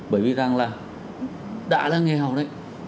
bởi vì rằng là đã là nghèo đấy